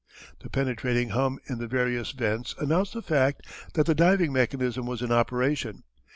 The penetrating hum in the various vents announced the fact that the diving mechanism was in operation.